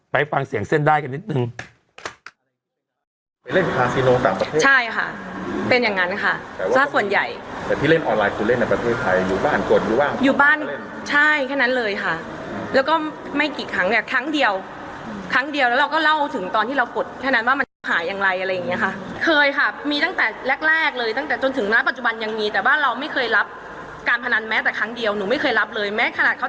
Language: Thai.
ไปฟังเสียงเส้นได้กันนิดนึง